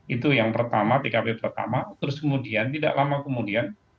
itu yang pertama tkp pertama terus kemudian tidak lama kemudian